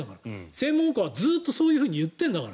専門家はずっとそう言っているんだから。